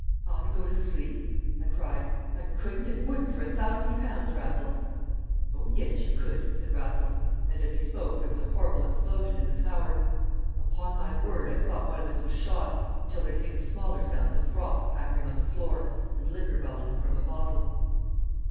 "I go to sleep?" I cried. "I couldn't and wouldn't for a thousand pounds, Raffles!" "Oh, yes, you could!" said Raffles, and as he spoke there was a horrible explosion in the tower. Upon my word, I thought one of us was shot, until there came the smaller sounds of froth pattering on the floor and liquor bubbling from a bottle.